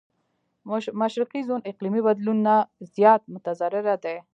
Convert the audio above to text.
مشرقي زون اقليمي بدلون نه زيات متضرره دی.